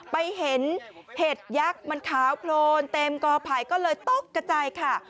ไปเห็นเห็ดยักษ์มันขาวโพลนเต็มกอไผ่ก็เลยตกกระจายค่ะ